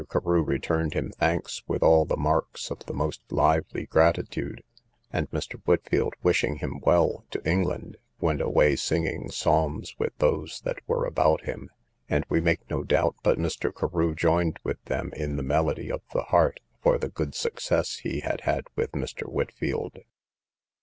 Carew returned him thanks with all the marks of the most lively gratitude, and Mr. Whitfield wishing him well to England, went away singing psalms with those that were about him; and we make no doubt but Mr. Carew joined with them in the melody of the heart for the good success he had had with Mr. Whitfield.